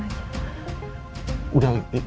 aku ngerasa pusing aja